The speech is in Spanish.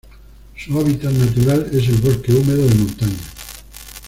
Su hábitat natural es el bosque húmedo de montaña.